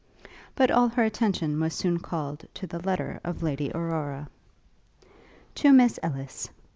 But all her attention was soon called to the letter of Lady Aurora. 'To Miss Ellis.